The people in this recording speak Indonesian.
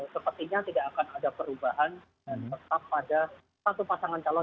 sepertinya tidak akan ada perubahan dan tetap pada satu pasangan calon